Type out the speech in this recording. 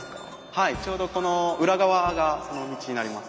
はいちょうどこの裏側がその道になります。